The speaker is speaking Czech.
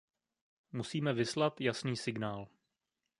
Musíme vyslat jasný signál.